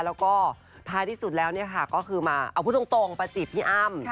แล้วก็ท้ายที่สุดแล้วเนี่ยค่ะก็คือมาเอาพูดตรงประจีบพี่อ้ำ